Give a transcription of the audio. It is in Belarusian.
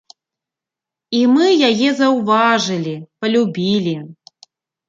І мы яе заўважылі, палюбілі.